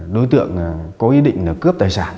đối tượng có ý định là cướp tài sản